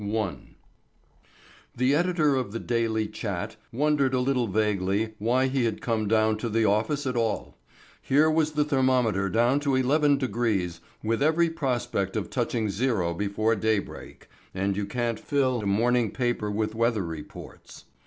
I. The editor of The Daily Chat wondered a little vaguely why he had come down to the office at all. Here was the thermometer down to 11° with every prospect of touching zero before daybreak, and you can't fill a morning paper with weather reports.